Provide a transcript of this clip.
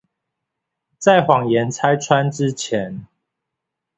在謊言拆穿之前